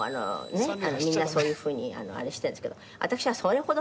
みんなそういうふうにあれしてるんですけど。